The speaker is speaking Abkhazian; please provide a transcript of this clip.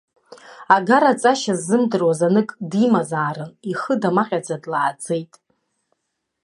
Агараҵашьа ззымдыруаз анык димазаарын, ихы дамаҟьаӡа длааӡеит.